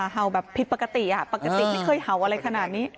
เห่าแบบผิดปกติปกติไม่เคยเห่าอะไรขนาดนี้